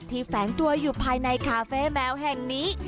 แฝงตัวอยู่ภายในคาเฟ่แมวแห่งนี้